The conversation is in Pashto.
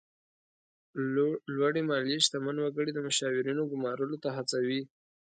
لوړې مالیې شتمن وګړي د مشاورینو ګمارلو ته هڅوي.